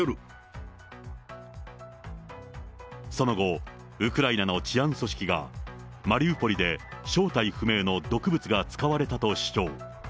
その後、ウクライナの治安組織が、マリウポリで正体不明の毒物が使われたと主張。